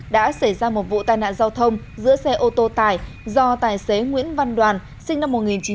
đã xảy ra một vụ tai nạn giao thông giữa xe ô tô tải do tài xế nguyễn văn đoàn sinh năm một nghìn chín trăm tám mươi